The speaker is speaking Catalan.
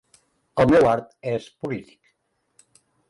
El meu art és polític.